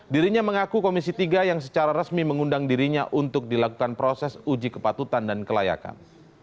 dirinya mengaku komisi tiga yang secara resmi mengundang dirinya untuk dilakukan proses uji kepatutan dan kelayakan